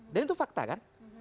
dan itu fakta kan